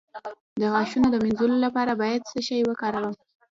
د غاښونو د مینځلو لپاره باید څه شی وکاروم؟